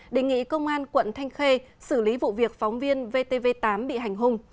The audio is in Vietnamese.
đề nghị công an quận thanh khê xử lý vụ việc phóng viên vtv tám bị hành hung